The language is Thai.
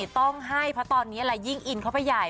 ต้องให้เพราะตอนนี้อะไรยิ่งอินเข้าไปใหญ่